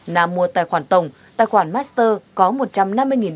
nam mua tài khoản tổng tài khoản master có một trăm năm mươi đồng